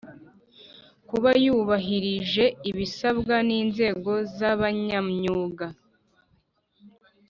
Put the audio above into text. kuba yubahirije ibisabwa n inzego z abanyamyuga